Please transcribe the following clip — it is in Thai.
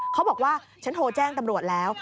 เขาบอกว่าฉันโทรแจ้งตำรวจแล้ว